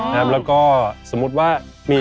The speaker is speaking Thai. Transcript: แล้วก็สมมุติว่ามี